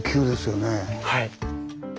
はい。